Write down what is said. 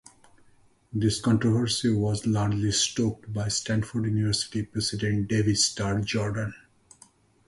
This controversy was largely stoked by Stanford University President David Starr Jordan.